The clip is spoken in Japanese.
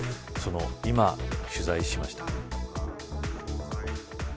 その今を取材しました。